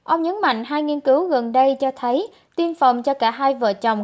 ông nhấn mạnh hai nghiên cứu gần đây cho thấy tiêm phòng cho cả hai vợ chồng